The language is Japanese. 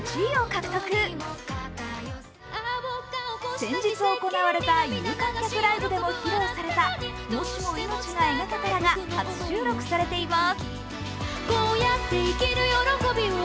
先日行われた有観客ライブでも披露された「もしも命が描けたら」が初収録されています。